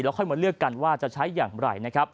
แล้วค่อยมาเลือกกันว่าจะใช้อย่างไร